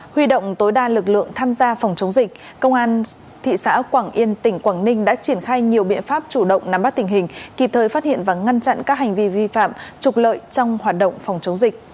huy động tối đa lực lượng tham gia phòng chống dịch công an thị xã quảng yên tỉnh quảng ninh đã triển khai nhiều biện pháp chủ động nắm bắt tình hình kịp thời phát hiện và ngăn chặn các hành vi vi phạm trục lợi trong hoạt động phòng chống dịch